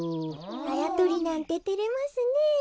あやとりなんててれますねえ。